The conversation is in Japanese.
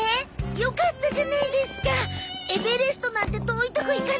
よかったじゃないですかエベレストなんて遠いとこ行かなくて。